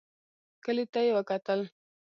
کلي ته يې وکتل.